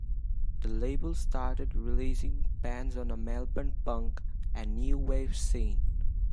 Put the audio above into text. The label started releasing bands on the Melbourne punk and new wave scene.